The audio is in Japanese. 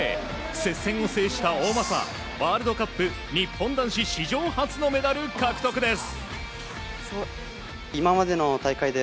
接戦を制した大政ワールドカップ日本男子史上初のメダル獲得です。